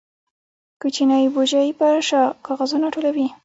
کوچنی بوجۍ په شا کاغذونه ټولوي.